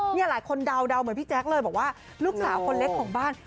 นี่หลายคนเดาเหมือนพี่แจ๊คเลยบอกว่าลูกสาวคนเล็กของบ้าน